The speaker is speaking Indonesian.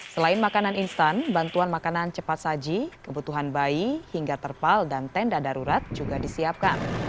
selain makanan instan bantuan makanan cepat saji kebutuhan bayi hingga terpal dan tenda darurat juga disiapkan